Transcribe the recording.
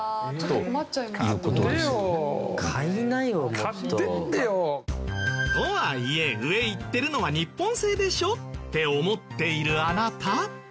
買ってってよ。とはいえ上いってるのは日本製でしょって思っているあなた。